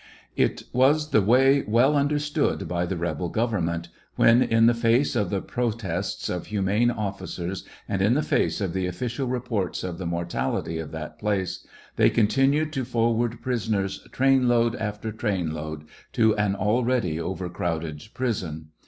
It was the way well understood by the rebel government, when, in the face of the protests of humane officers, and in the face of the official reports of the mortality of that place, they continued to forward prisoners, train load after train load, to an already over crowded prison.